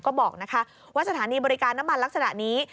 ก็บอกว่าสถานีบริการน้ำมันลักษณะนี้